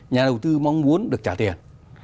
nhà đầu tư mong muốn được trả tiền